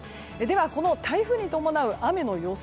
台風に伴う雨の予想